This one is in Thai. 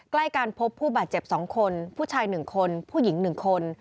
ใกล้กันพบผู้บาดเจ็บ๒คนผู้ชาย๑คนผู้หญิง๑คน